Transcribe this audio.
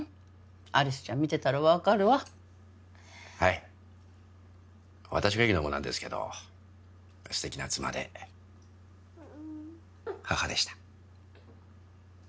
有栖ちゃん見てたら分かるわはい私が言うのも何ですけど素敵な妻で母でした